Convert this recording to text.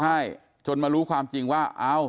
ใช่จนมารู้ความจริงว่า